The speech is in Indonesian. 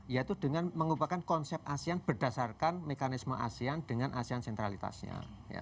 yaitu dengan mengubahkan konsep asean berdasarkan mekanisme asean dengan asean sentralitasnya